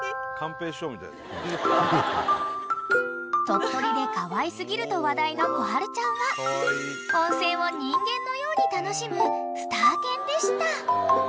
［鳥取でかわい過ぎると話題のこはるちゃんは温泉を人間のように楽しむスター犬でした］